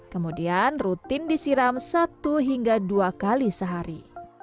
kemudian rutin disiram satu hingga dua kali sehari